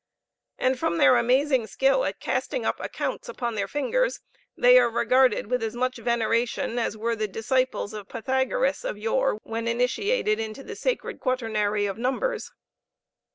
And from their amazing skill at casting up accounts upon their fingers they are regarded with as much veneration as were the disciples of Pythagoras of yore when initiated into the sacred quaternary of numbers.